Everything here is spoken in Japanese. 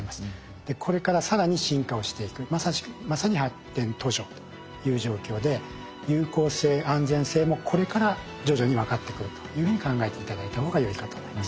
これから更に進化をしていくまさに発展途上という状況で有効性安全性もこれから徐々に分かってくるというふうに考えて頂いた方がよいかと思います。